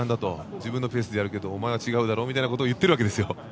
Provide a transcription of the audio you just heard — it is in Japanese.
自分のペースでやるけどお前は違うだろみたいなことも言っているんですよ。